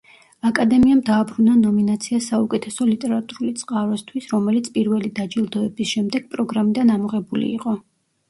აკადემიამ დააბრუნა ნომინაცია საუკეთესო ლიტერატურული წყაროსთვის, რომელიც პირველი დაჯილდოების შემდეგ პროგრამიდან ამოღებული იყო.